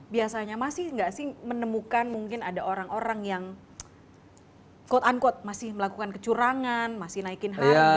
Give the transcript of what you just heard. biasanya masih nggak sih menemukan mungkin ada orang orang yang quote unquote masih melakukan kecurangan masih naikin harga